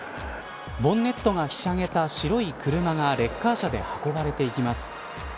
ボンネットがひしゃげた白い車がレッカー車で運ばれていきます。